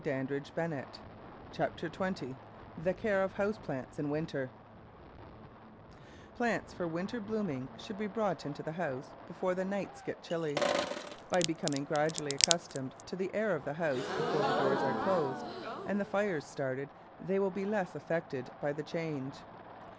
Digitized by Google Chapter TfFENTT CJe Care of f^m^plants in Winter PLANTS for winter blooming should be brought into the house before the nights get chilly. By becoming gradually ac customed to the air of the house before the doors are closed and the fires started, they will be less affected by the change.